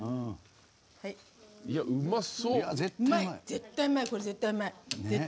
絶対うまいよ、絶対うまい。